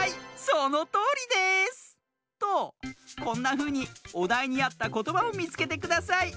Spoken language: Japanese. そのとおりです！とこんなふうにおだいにあったことばをみつけてください。